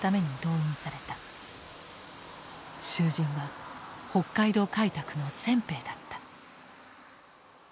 囚人は北海道開拓の先兵だった。